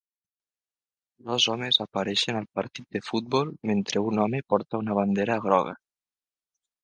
Dos homes apareixen al partit de futbol mentre un home porta una bandera groga.